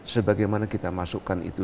sebagaimana kita masukkan itu